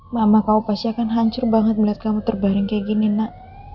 mama kau pasti akan hancur banget melihat kamu terbaring kayak gini nak